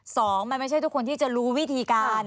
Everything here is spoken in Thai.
สองมันไม่ใช่ทุกคนที่จะรู้วิธีการ